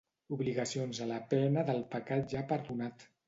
Obligacions a la pena del pecat ja perdonat.